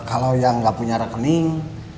kalau yang nggak punya rekening